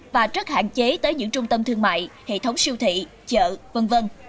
và rất hạn chế tới những trung tâm thương mại hệ thống siêu thị chợ v v